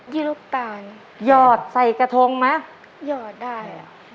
ี่ลูกตาลหยอดใส่กระทงไหมหยอดได้อ่ะ